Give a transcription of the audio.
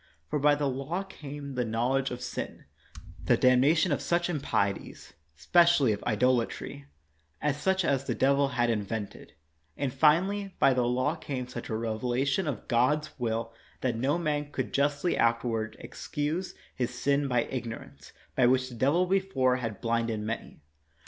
For by the law came the knowledge of sin, the damnation of such im 30 KNOX pieties, specially of idolatry, and such as the devil had invented ; and, finally, by the law came such a revelation of God s will that no man could justly afterward excuse his sin by ignorance, by which the devil before had blinded many.